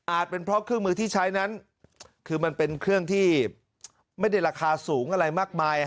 เป็นเพราะเครื่องมือที่ใช้นั้นคือมันเป็นเครื่องที่ไม่ได้ราคาสูงอะไรมากมาย